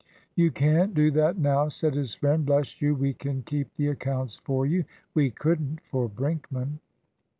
"You can't do that now," said his friend. "Bless you, we can keep the accounts for you. We couldn't for Brinkman."